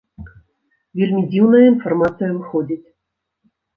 Вельмі дзіўная інфармацыя выходзіць.